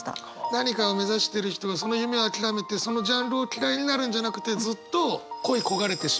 何かを目指してる人がその夢を諦めてそのジャンルを嫌いになるんじゃなくてずっと恋い焦がれてしまう。